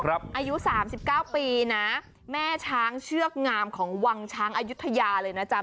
อายุ๓๙ปีนะแม่ช้างเชือกงามของวังช้างอายุทยาเลยนะจ๊ะ